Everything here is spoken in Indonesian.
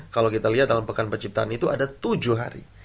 kalau kita lihat dalam pekan penciptaan itu ada tujuh hari